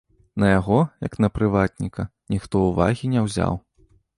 На яго, як на прыватніка, ніхто ўвагі не ўзяў.